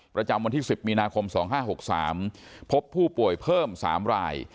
ประจำวันที่๑๐มีนาคม๒๕๖๓พบผู้ป่วยเพิ่ม๓ราย